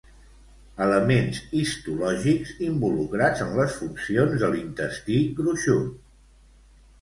Elements histològics involucrats en les funcions de l'intestí gruixut.